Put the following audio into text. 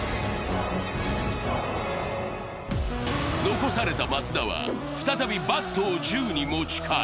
残された松田は再びバットを銃に持ち替え